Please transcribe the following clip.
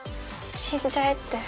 死んじゃえって。